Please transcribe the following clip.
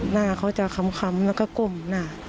หน้าเขาจะค้ำแล้วก็ก้มหน้า